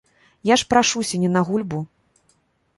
Я ж прашуся не на гульбу.